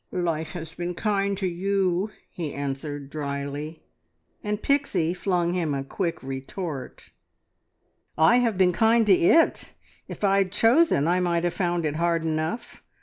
"Life has been kind to you," he answered dryly, and Pixie flung him a quick retort "I have been kind to it! If I'd chosen I might have found it hard enough.